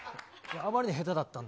あまりに下手だったんで。